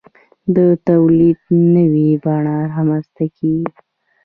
د تولید نوې بڼه رامنځته کیږي.